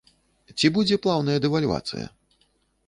Ці будзе плаўная дэвальвацыя?